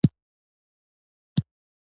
جُوجُو وار له واره پر دېوال لاس تېر کړ